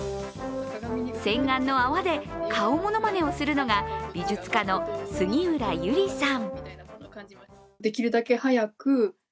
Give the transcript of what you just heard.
洗顔の泡で顔ものまねをするのが美術家の杉浦由梨さん。